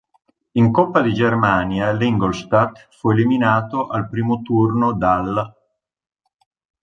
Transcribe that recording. In Coppa di Germania l'Ingolstadt fu eliminato al primo turno dall'.